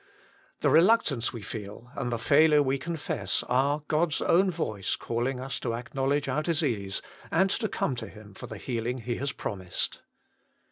The reluctance we feel, and the failure we confess, are God s own voice calling us to acknowledge our disease, and to come to Him for the healing He has promised.